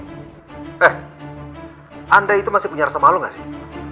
eh anda itu masih punya rasa malu gak sih